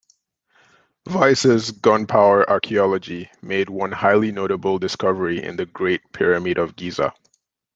Vyse's gunpowder archaeology made one highly notable discovery in the Great Pyramid of Giza.